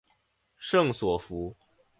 圣索弗。